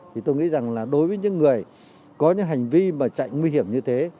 thì tôi nghĩ rằng đối với những người có những hành vi chạy nguy hiểm như thế